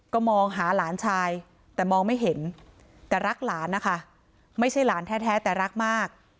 ก็มองหาหลานชายแต่มองไม่เห็นแต่รักหลานนะคะไม่ใช่หลานแท้แต่รักมาก